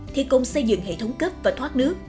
thi công xây dựng hệ thống cấp và thoát nước